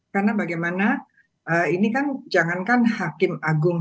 karena bagaimana ini kan jangankan hakim agung